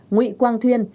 bảy nguy quang thuyên